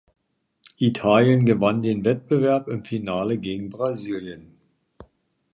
Italien gewann den Wettbewerb im Finale gegen Brasilien.